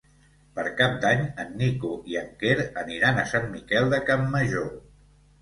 Per Cap d'Any en Nico i en Quer aniran a Sant Miquel de Campmajor.